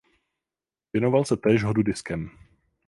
Věnoval se též hodu diskem.